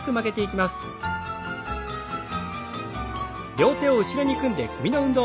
両手を後ろに組んで首の運動。